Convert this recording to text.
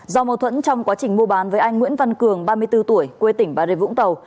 do mâu thuẫn trong quá trình mua bán với anh nguyễn văn cường ba mươi bốn tuổi quê tỉnh bà rê vũng tàu